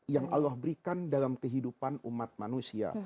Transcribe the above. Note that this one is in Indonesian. yang allah berikan dalam kehidupan umat manusia